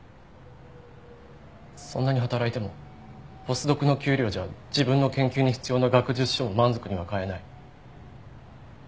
そんなに働いてもポスドクの給料じゃ自分の研究に必要な学術書も満足には買えない。